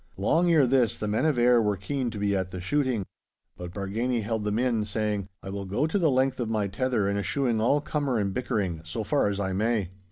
Long ere this the men of Ayr were keen to be at the shooting. But Bargany held them in, saying, 'I will go to the length of my tether in eschewing all cummer and bickering, so far as I may.